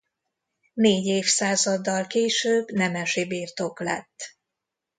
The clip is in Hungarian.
Négy évszázaddal később nemesi birtok lett.